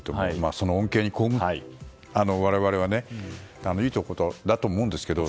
その恩恵にあやかって我々はいいことだと思うんですけど。